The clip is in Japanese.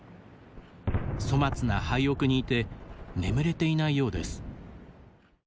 粗末な廃屋にいて眠れていないようです。